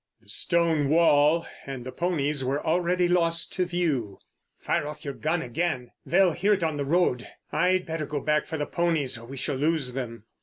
The stone wall and the ponies were already lost to view. "Fire off your gun again; they'll hear it on the road. I'd better go back for the ponies, or we shall lose 'em."